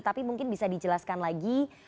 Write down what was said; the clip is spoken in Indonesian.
tapi mungkin bisa dijelaskan lagi